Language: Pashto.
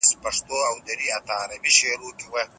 هغه د بازار پټ لاس تیوري وړاندي کړه.